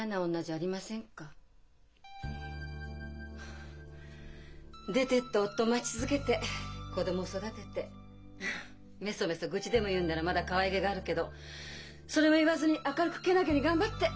えっ？出てった夫を待ち続けて子供育ててめそめそ愚痴でも言うならまだかわいげがあるけどそれも言わずに明るくけなげに頑張って。